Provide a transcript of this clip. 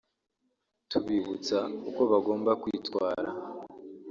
tubibutsa uko bagomba kwitwara